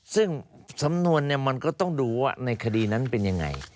ซึ่งสำนวนมันก็ต้องดูว่าในคดีนั้นเป็นยังไง